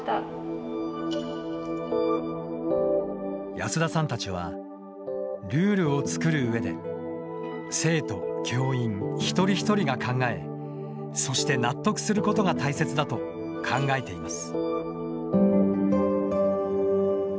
安田さんたちはルールを作る上で生徒・教員一人一人が考えそして納得することが大切だと考えています。